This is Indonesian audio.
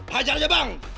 hajar aja bang